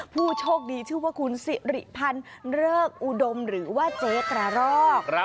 ผู้โชคดีชื่อว่าคุณสิริพันธ์เริกอุดมหรือว่าเจ๊กระรอก